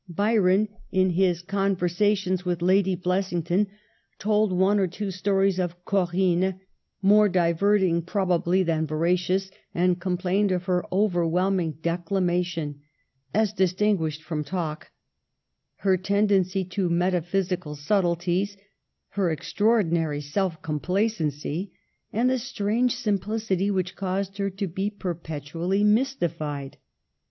Byron, in his Converses Digitized by VjOOQIC 1 82 MADAME DE STA£L. tions with Lady Blessington, told one or two stories of "000006/' more diverting probably than veracious, and complained of her over whelming declamation (as distinguished from talk), her tendency to metaphysical subtleties, her extraordinary self complacency, and the strange simplicity which caused her to be per petually mystified.